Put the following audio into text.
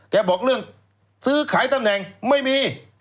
บอกเรื่องซื้อขายตำแหน่งไม่มี